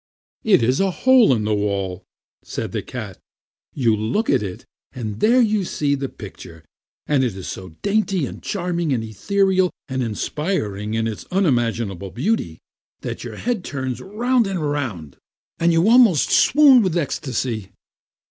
"It is a hole in the wall," said the cat. "You look in it, and there you see the picture, and it is so dainty and charming and ethereal and inspiring in its unimaginable beauty that your head turns round and round, and you almost swoon with ecstasy."